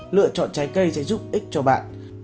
lựa chọn trái cây sẽ giúp ích cho bạn